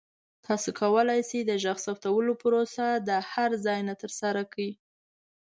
تاسو کولی شئ د غږ ثبتولو پروسه د هر ځای نه ترسره کړئ.